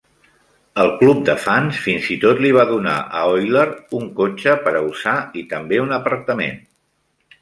El club de fans fins i tot li va donar a Oyler un cotxe per a usar i també un apartament.